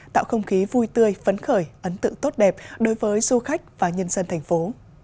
tạo không khí vui tươi phấn khởi ấn tượng tốt đẹp đối với du khách và nhân dân thành phố